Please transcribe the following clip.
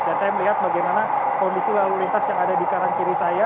dan saya melihat bagaimana kondisi lalu lintas yang ada di karang kiri saya